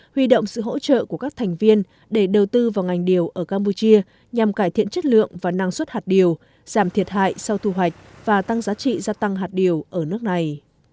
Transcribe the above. huy động sự hỗ trợ của các thành viên để đầu tư vào ngành điều ở campuchia nhằm cải thiện chất lượng và năng suất hạt điều giảm thiệt hại sau thu hoạch và tăng giá trị gia tăng hạt điều ở nước này